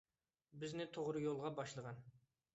بىزنى توغرا يولغا باشلىغىن،